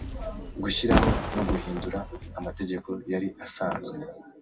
Gushyiraho no guhindura amategeko yari asanzwe